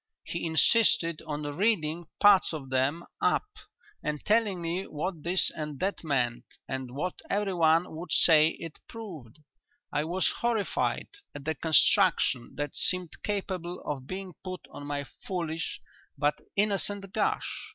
He insisted on reading parts of them up and telling me what this and that meant and what everyone would say it proved. I was horrified at the construction that seemed capable of being put on my foolish but innocent gush.